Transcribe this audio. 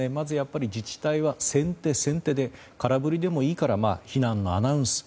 自治体はまず先手、先手で空振りでもいいから避難のアナウンス。